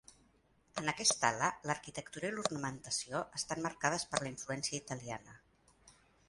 En aquesta ala, l'arquitectura i l'ornamentació estan marcades per la influència italiana.